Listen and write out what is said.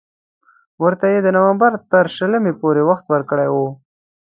ورته یې د نومبر تر شلمې پورې وخت ورکړی وو.